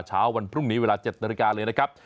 เช้าวันพรุ่งนี้เวลา๗นาฬิกาเลยนะครับ